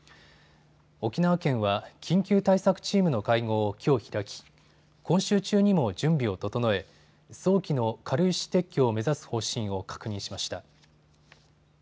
沖縄県は緊急対策チームの会合をきょう開き今週中にも準備を整え早期の軽石撤去を目指す方針を確認しました。